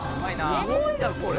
すごいなこれ！